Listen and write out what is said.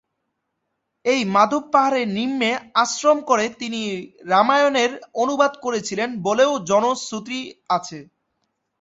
এই মাধব পাহাড়ের নিম্নে আশ্রম করে তিনি রামায়ণের অনুবাদ করেছিলেন বলেও জনশ্রুতি আছে।